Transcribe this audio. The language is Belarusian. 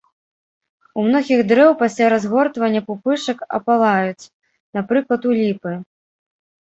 У многіх дрэў пасля разгортвання пупышак апалаюць, напрыклад, у ліпы.